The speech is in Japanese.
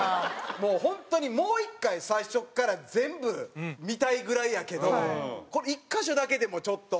ホントにもう一回最初から全部見たいぐらいやけどこれ１カ所だけでもちょっと。